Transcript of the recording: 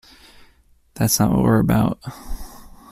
That's not what we're about.